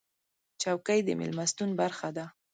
چوکۍ د میلمستون برخه ده.